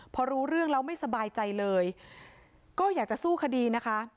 พอรู้เรื่องแล้วไม่สบายใจเลยก็อยากจะสู้คดีนะคะ